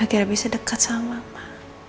akhirnya bisa deket sama mama